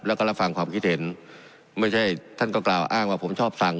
แล้วก็รับฟังความคิดเห็นไม่ใช่ท่านก็กล่าวอ้างว่าผมชอบสั่ง